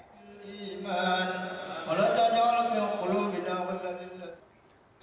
iman allah tajam alamnya kulu binawarlah lillah